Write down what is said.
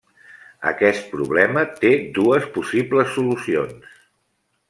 Aquest problema té dues possibles solucions.